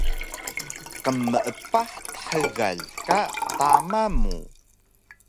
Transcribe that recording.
Qmeepah dxgal ka tama mu